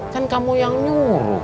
kan kamu yang nyuruh